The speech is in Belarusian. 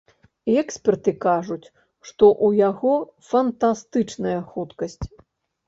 Эксперты кажуць, што ў яго фантастычная хуткасць.